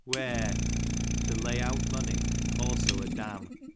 Wear, to lay out money ; also a dam.